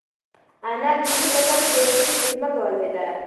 انا د وره تر شا په بېوسۍ کې په ځمکه ولوېده.